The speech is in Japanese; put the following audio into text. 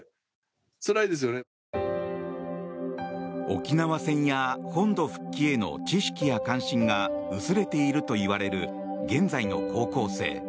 沖縄戦や本土復帰への知識や関心が薄れているといわれる現在の高校生。